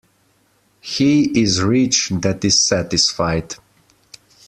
He is rich that is satisfied.